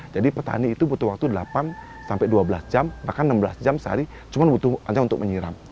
jadi petani itu butuh waktu delapan sampai dua belas jam bahkan enam belas jam sehari cuma butuh hanya untuk menyiram